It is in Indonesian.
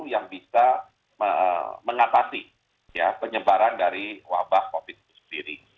yang bisa mengatasi penyebaran dari wabah covid itu sendiri